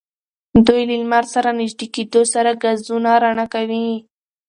دوی له لمر سره نژدې کېدو سره ګازونه رڼا کوي.